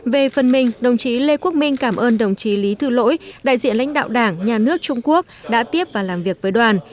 về phần mình đồng chí lê quốc minh cảm ơn đồng chí lý thư lỗi đại diện lãnh đạo đảng nhà nước trung quốc đã tiếp và làm việc với đoàn